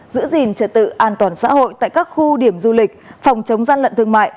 giữ gìn trật tự an toàn xã hội tại các khu điểm du lịch phòng chống gian lận thương mại